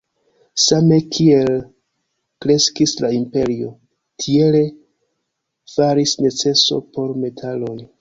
Same kiel kreskis la imperio, tiele faris neceso por metaloj.